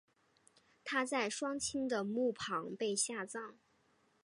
她在双亲的墓旁被下葬。